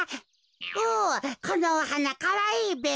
おこのおはなかわいいべ。